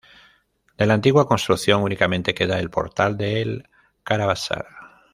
De la antigua construcción únicamente queda el portal del caravasar.